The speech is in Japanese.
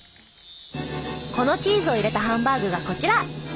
このチーズを入れたハンバーグがこちら！